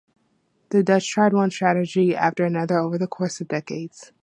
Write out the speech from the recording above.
The Dutch tried one strategy after another over the course of decades.